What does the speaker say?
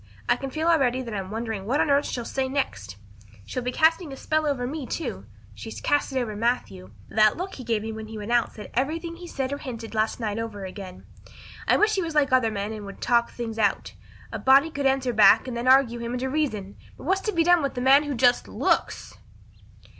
I can feel already that I'm wondering what on earth she'll say next. She'll be casting a spell over me, too. She's cast it over Matthew. That look he gave me when he went out said everything he said or hinted last night over again. I wish he was like other men and would talk things out. A body could answer back then and argue him into reason. But what's to be done with a man who just _looks?